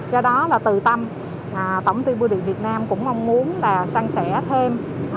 do đó là từ tâm tổng ty bưu điện việt nam cũng mong muốn là sang sẻ thêm